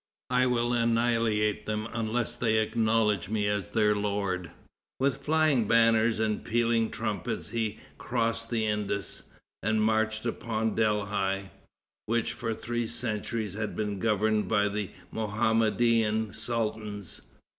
I will annihilate them unless they acknowledge me as their lord." With flying banners and pealing trumpets he crossed the Indus, and marched upon Delhi, which for three centuries had been governed by the Mohammedan sultans.